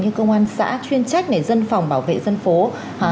như công an xã chuyên trách này dân phòng bảo vệ dân phố